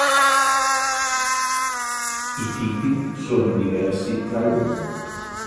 I tipi sono diversi tra loro.